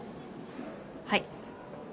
はい。